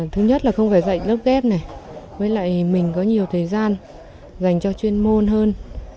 thứ nhất là không phải dạy lớp ghép này với lại mình có nhiều thời gian dành cho chuyên môn hơn